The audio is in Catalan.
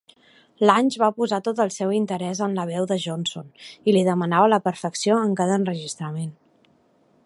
Lange va posar tot el seu interès en la veu de Johnson, i li demanava la perfecció en cada enregistrament.